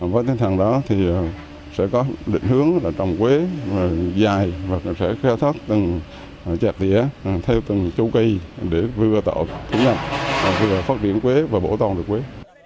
với tên thẳng đó thì sẽ có định hướng là trồng quế dài và sẽ kheo thất từng chẹp tỉa theo từng châu cây để vừa tạo thu nhập vừa phát triển quế và bổ tồn được quế